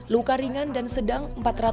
luka ringan dan sedang